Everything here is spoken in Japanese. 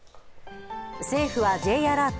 政府はＪアラート＝